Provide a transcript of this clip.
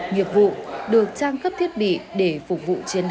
nghiệp vụ được trang cấp thiết bị để phục vụ chiến đấu